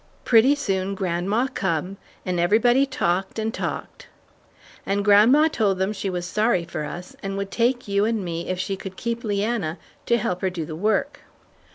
Pretty soon grandma come, and everybody talked, and talked. And grandma told them she was sorry for us, and would take you and me if she could keep Leanna to help her do the work.